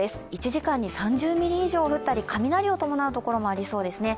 １時間に３０ミリ以上降ったり雷を伴う所もありそうですね。